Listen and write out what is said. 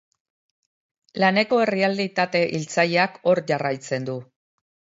Laneko errealitate hiltzaileak hor jarraitzen du.